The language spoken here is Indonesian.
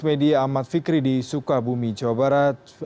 media ahmad fikri di sukabumi jawa barat